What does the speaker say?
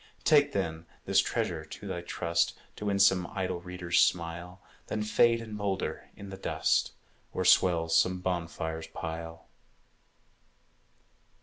Take, then, this treasure to thy trust, To win some idle reader's smile, Then fade and moulder in the dust, Or swell some bonfire's pile.